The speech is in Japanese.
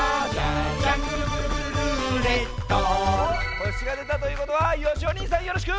ほしがでたということはよしおにいさんよろしく！